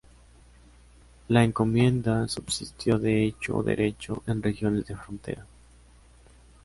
La encomienda subsistió de hecho o de derecho en regiones de frontera.